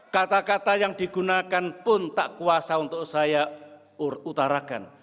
kata kata yang digunakan pun tak kuasa untuk saya utarakan